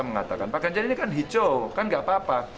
mengatakan pak ganjar ini kan hijau kan gak apa apa